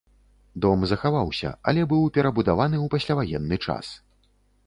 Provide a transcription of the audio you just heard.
Дом захаваўся, але быў перабудаваны ў пасляваенны час.